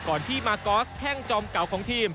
ก่อนที่มาก๊อสแพ่งจอมเก่าของทีม